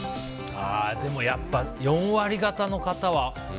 でもやっぱり４割がたの方は。